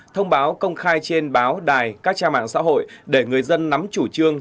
thông báo công khai trên báo đài các trang mạng xã hội để người dân nắm chủ trương